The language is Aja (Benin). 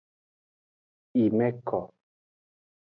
Eyi me ko.